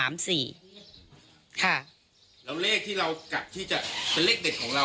เลขทะเบียนรถจากรยานยนต์